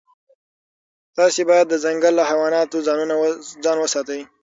تاسي باید د ځنګل له حیواناتو ځان وساتئ.